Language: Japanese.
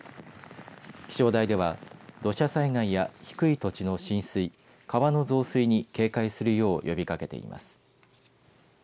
気象台では土砂災害や低い土地の浸水川の増水に警戒するよう呼びかけています。